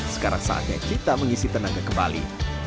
sekarang saatnya kita mengisi tenaga kembali